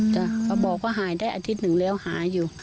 เขาบอกว่าหายได้อาทิตย์หนึ่งแล้วหายอยู่